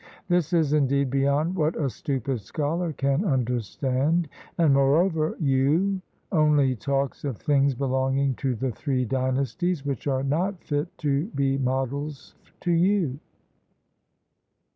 This is, indeed, beyond what a stupid scholar can understand. And, moreover, Yue only talks of things belonging to the Three Dynasties, which are not fit to be models to you.